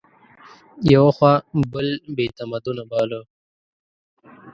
یوه خوا بل بې تمدنه باله